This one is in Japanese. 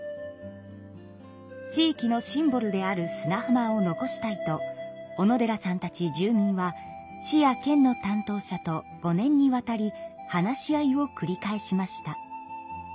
地域のシンボルである砂浜を残したいと小野寺さんたち住民は市や県の担当者と５年にわたり話し合いをくり返しました。